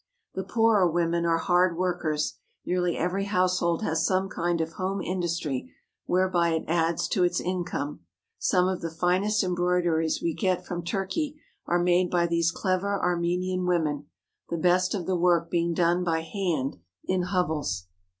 The poorer women are hard workers. Nearly every household has some kind of home industry whereby it adds to its income. Some of the finest embroideries we get from Turkey are made by these clever Armenian women, the best of the work being done by hand in hovels.